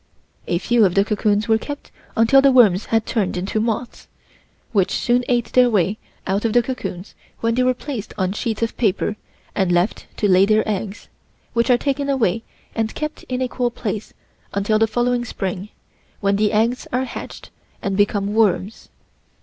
A few of the cocoons were kept until the worms had turned into moths, which soon ate their way out of the cocoons when they were placed on sheets of paper and left to lay their eggs, which are taken away and kept in a cool place until the following Spring, when the eggs are hatched and become worms.